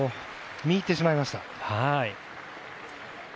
見入ってしまいました。